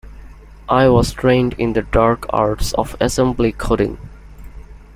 I was trained in the dark arts of assembly coding.